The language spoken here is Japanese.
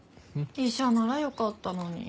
医者ならよかったのに。